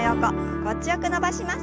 心地よく伸ばします。